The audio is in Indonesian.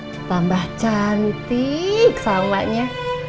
tambah cantik salmanya